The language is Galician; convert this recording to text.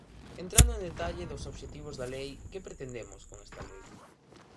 Entrando en detalle dos obxectivos da lei, ¿que pretendemos con esta lei?